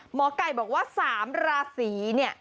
หมอกัยบอกว่า๓ราศี